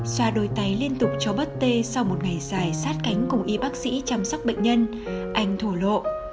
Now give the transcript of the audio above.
xoa đôi tay liên tục cho bớt tê sau một ngày dài sát cánh cùng y bác sĩ chăm sóc bệnh nhân anh thủ lộ